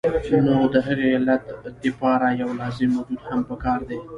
نو د هغې علت د پاره يو لازمي وجود هم پکار دے